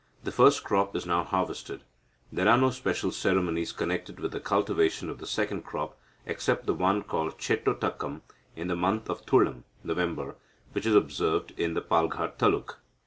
The first crop is now harvested. There are no special ceremonies connected with the cultivation of the second crop, except the one called Chettotakam in the month of Thulam (November), which is observed in the Palghat taluk.